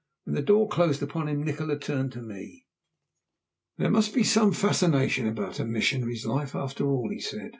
When the door closed upon him Nikola turned to me. "There must be some fascination about a missionary's life after all," he said.